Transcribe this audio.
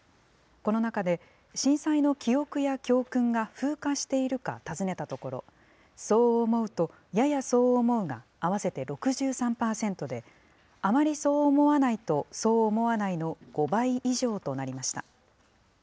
この中で、震災の記憶や教訓が風化しているか尋ねたところ、そう思うと、ややそう思うが合わせて６３％で、あまりそう思わないと、そう思わないの５倍以上となりました。